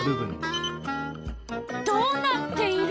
どうなっている？